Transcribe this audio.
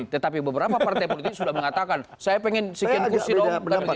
tetapi beberapa partai politik sudah mengatakan saya ingin sekian kursi dong